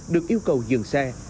được yêu cầu dừng xe